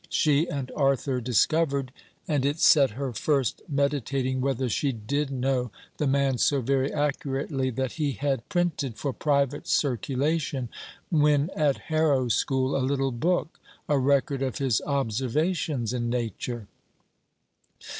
She and Arthur discovered and it set her first meditating whether she did know the man so very accurately that he had printed, for private circulation, when at Harrow School, a little book, a record of his observations in nature.